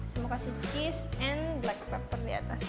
saya mau kasih cheese and black pepper di atasnya